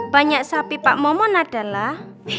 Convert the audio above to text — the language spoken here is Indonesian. banyak sapi pak momon adalah